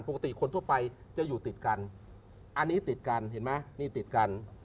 คนทั่วไปจะอยู่ติดกันอันนี้ติดกันเห็นไหมนี่ติดกัน